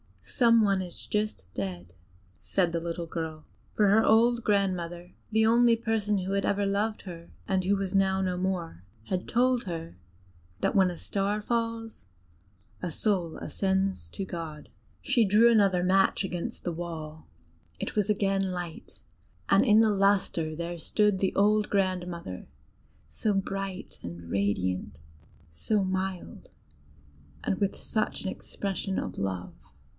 "Some one is just dead!" said the little girl; for her old grandmother, the only person who had loved her, and who was now no more, had told her, that when a star falls, a soul ascends to God. She drew another match against the wall: it was again light, and in the lustre there stood the old grandmother, so bright and radiant, so mild, and with such an expression of love.